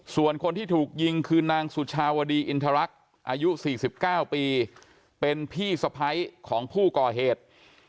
ส่วนคนที่ถูกยิงคือนางสุชาวดีอินทรรักษ์อายุ๔๙ปีเป็นพี่สะพ้ายของผู้ก่อเหตุ